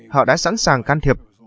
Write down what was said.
họ đã sẵn sàng can thiệp